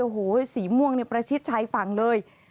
โอ้โหสีม่วงเนี่ยประชิดชายฝั่งเลย